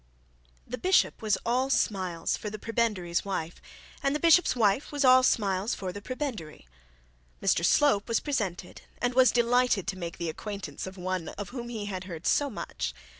The bishop was all smiles for the prebendary's wife, and the bishop's wife was all smiles for the prebendary. Mr Slope was presented, and was delighted to make the acquaintance of one of whom he had heard so much.